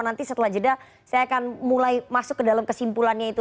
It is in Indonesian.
nanti setelah jeda saya akan mulai masuk ke dalam kesimpulannya itu